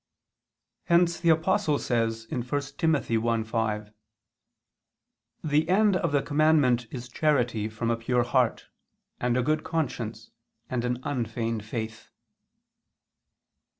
Hence the Apostle says (1 Tim. 1:5): "The end of the commandment is charity from a pure heart, and a good conscience, and an unfeigned faith."